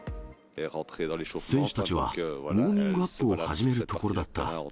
選手たちは、ウォーミングアップを始めるところだった。